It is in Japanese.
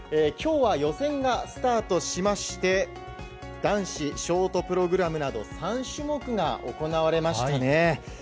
きょうは予選がスタートしまして、男子ショートプログラムなど３種目が行われましたね。